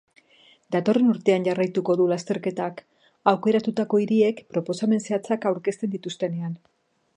Datorren urtean jarraituko du lasterketak, aukeratutako hiriek proposamen zehatzak aurkezten dituztenean.